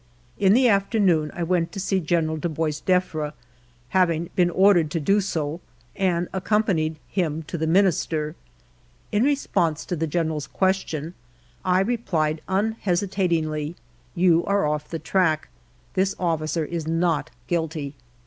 In the afternoon I went to see General de Boisdeffre, having been ordered to do so, and accompanied him to the Minister. In response to the General's question I replied unhesi tatingly: "You are off the track; this officer is not guilty."